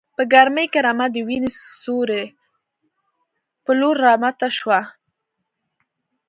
په ګرمۍ کې رمه د وینې سیوري په لور راماته شوه.